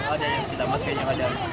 ada yang selamat kayaknya